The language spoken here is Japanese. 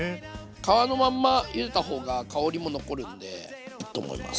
皮のまんまゆでた方が香りも残るんでいいと思います。